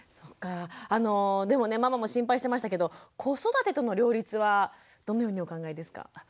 あのでもねママも心配してましたけど子育てとの両立はどのようにお考えですか？